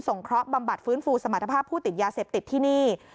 เคราะหบำบัดฟื้นฟูสมรรถภาพผู้ติดยาเสพติดที่นี่